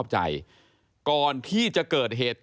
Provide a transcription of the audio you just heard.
กลุ่มวัยรุ่นก็ตอบไปว่าเอ้าก็จอดรถจักรยานยนต์ตรงแบบเนี้ยมานานแล้วอืม